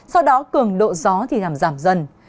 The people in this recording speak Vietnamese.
sau đó cường độ gió thì giảm dần